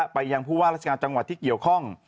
ไปยังผู้ว่าราชการจังหวัดที่เกี่ยวข้อง